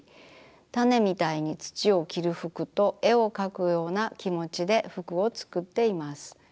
「種みたいに土を着る服」と絵を描くような気持ちで服をつくっています。